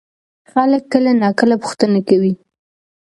خلک کله ناکله پوښتنه کوي.